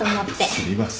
すみません。